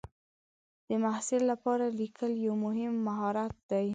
د محصل لپاره لیکل یو مهم مهارت دی.